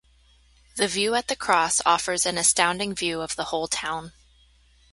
The view at the cross offers an astounding view of the whole town.